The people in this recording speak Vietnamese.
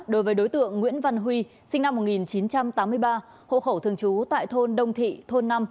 đối với đối tượng nguyễn văn huy sinh năm một nghìn chín trăm tám mươi ba hộ khẩu thường trú tại thôn đông thị thôn năm